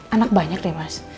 anak banyak deh mas